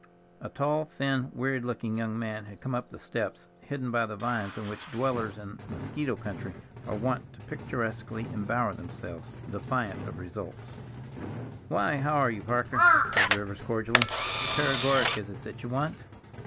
A tall, thin, wearied looking young man had come up the steps, hidden by the vines in which dwellers in a mosquito country are wont to picturesquely embower themselves, defiant of results. "Why, how are you, Parker?" said Rivers cordially. "Paregoric is it that you want?